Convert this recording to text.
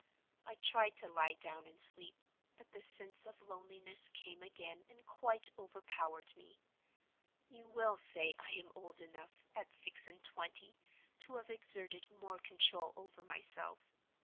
I tried to lie down and sleep, but the sense of loneliness came again and quite overpowered me. You will say I am old enough, at six and twenty, to have exerted more control over myself.